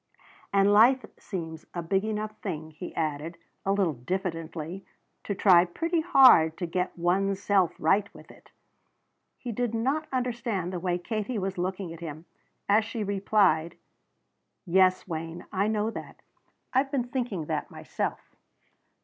And life seems a big enough thing," he added, a little diffidently, "to try pretty hard to get one's self right with it." He did not understand the way Katie was looking at him as she replied: "Yes, Wayne; I know that. I've been thinking that myself."